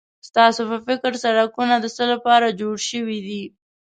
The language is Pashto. ستاسو په فکر سړکونه د څه لپاره جوړ شوي دي؟